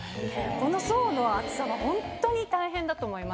この層の厚さはホントに大変だと思います。